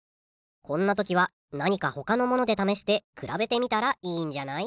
こんな時は何かほかのもので試して比べてみたらいいんじゃない？